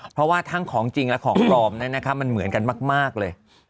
เพราะว่าทั้งของจริงและของปลอมมันเหมือนกันมากเลย